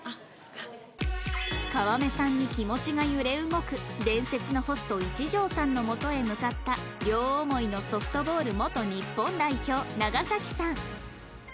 川目さんに気持ちが揺れ動く伝説のホスト一条さんの元へ向かった両思いのソフトボール元日本代表長さん